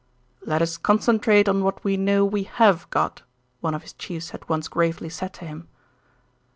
"Let us concentrate on what we know we have got," one of his chiefs had once gravely said to him.